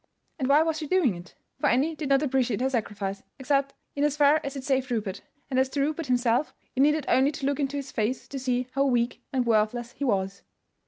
And why was she doing it? For Annie did not appreciate her sacrifice, except in as far as it saved Rupert; and as to Rupert himself, it needed only to look into his face to see how weak and worthless he was.